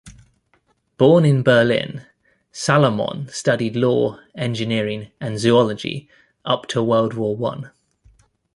Born in Berlin, Salomon studied law, engineering, and zoology up to World War One.